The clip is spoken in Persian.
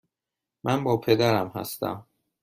من با پدرم هستم.